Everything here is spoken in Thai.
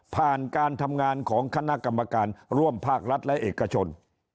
การทำงานของคณะกรรมการร่วมภาครัฐและเอกชน